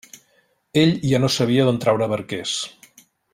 Ell ja no sabia d'on traure barquers.